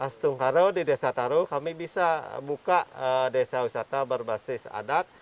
stung karo di desa taro kami bisa buka desa wisata berbasis adat